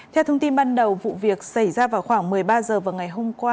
theo thông tin ban đầu vụ việc xảy ra vào khoảng một mươi ba h vào ngày hôm qua